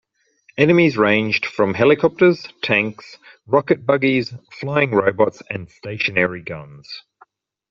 Enemies ranged from helicopters, tanks, rocket buggies, flying robots, and stationary guns.